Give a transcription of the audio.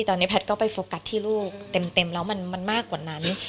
ตอนนี้แพทย์ก็ไปโฟกัสที่ลูกเต็มแล้วมันมากกว่านั้น